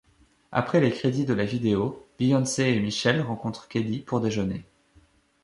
Après les crédits de la vidéo, Beyoncé et Michelle rencontre Kelly pour déjeuner.